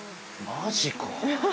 マジか。